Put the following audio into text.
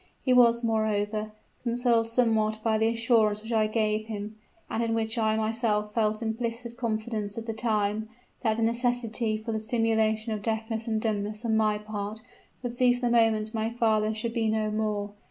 He was moreover consoled somewhat by the assurance which I gave him, and in which I myself felt implicit confidence at the time, that the necessity for the simulation of deafness and dumbness on my part would cease the moment my father should be no more.